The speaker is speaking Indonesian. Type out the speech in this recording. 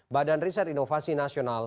badan riset inovasi nasional